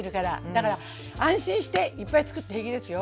だから安心していっぱい作って平気ですよ。